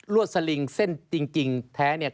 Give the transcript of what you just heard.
วดสลิงเส้นจริงแท้เนี่ย